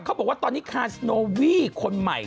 เขาบอกว่าตอนนี้คาสโนวีคนใหม่